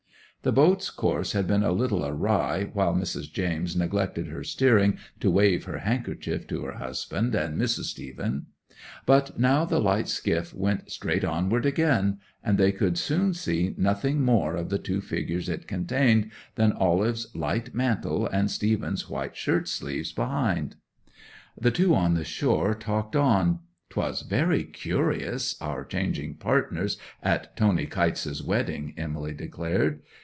'The boat's course had been a little awry while Mrs. James neglected her steering to wave her handkerchief to her husband and Mrs. Stephen; but now the light skiff went straight onward again, and they could soon see nothing more of the two figures it contained than Olive's light mantle and Stephen's white shirt sleeves behind. 'The two on the shore talked on. "'Twas very curious—our changing partners at Tony Kytes's wedding," Emily declared.